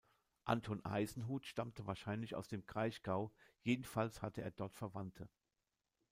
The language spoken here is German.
Anton Eisenhut stammte wahrscheinlich aus dem Kraichgau, jedenfalls hatte er dort Verwandte.